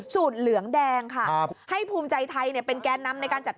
สูตรเหลืองแดงค่ะให้ภูมิใจไทยเป็นแก่นำ